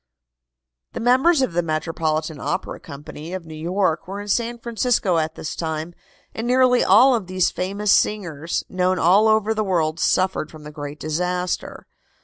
The members of the Metropolitan Opera Company, of New York, were in San Francisco at this time, and nearly all of these famous singers, known all over the world, suffered from the great disaster.